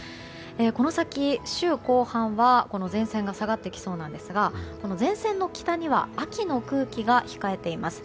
この先、週後半はこの前線が下がってきそうなんですが前線の北には秋の空気が控えています。